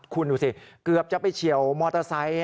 คุณดูสิเกือบจะไปเฉียวมอเตอร์ไซค์